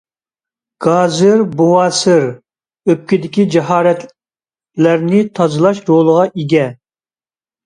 گازىر بوۋاسىر، ئۆپكىدىكى جاراھەتلەرنى تازىلاش رولىغا ئىگە.